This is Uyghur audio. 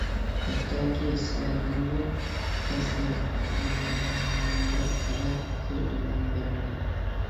ھەتتاكى، سىلەردىنمۇ. كەزدىم مۇنبەر ئارا، كۆردۈم مۇنبەر مانا.